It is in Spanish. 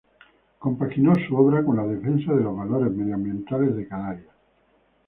Compaginó su obra con la defensa de los valores medioambientales de Canarias.